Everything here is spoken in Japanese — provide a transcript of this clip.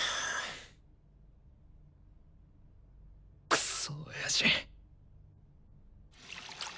クソ親父。